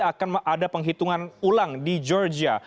akan ada penghitungan ulang di georgia